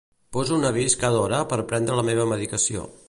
Posa un avís cada hora per prendre la meva medicació.